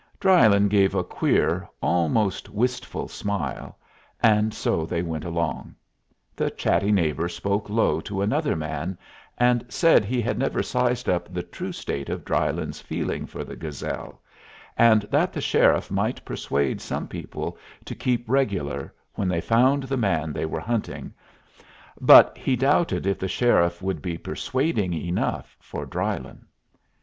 Drylyn gave a queer, almost wistful, smile, and so they went along; the chatty neighbor spoke low to another man, and said he had never sized up the true state of Drylyn's feeling for the Gazelle, and that the sheriff might persuade some people to keep regular, when they found the man they were hunting, but he doubted if the sheriff would be persuading enough for Drylyn.